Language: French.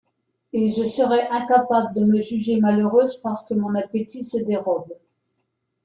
Et je serais incapable de me juger malheureuse parce que mon appétit se dérobe.